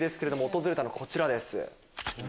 訪れたのがこちらです。